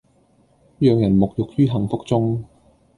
讓人沐浴於幸福中